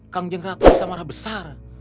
kang jeng ratu bisa marah besar